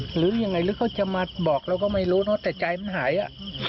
หรือยังไงหรือเขาจะมาบอกเราก็ไม่รู้เนอะแต่ใจมันหายอ่ะ